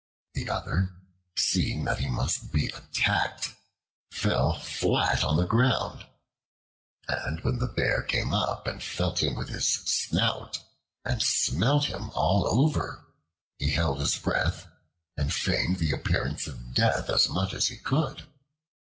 The other, seeing that he must be attacked, fell flat on the ground, and when the Bear came up and felt him with his snout, and smelt him all over, he held his breath, and feigned the appearance of death as much as he could.